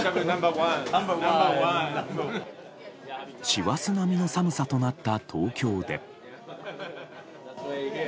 師走並みの寒さとなった東京で。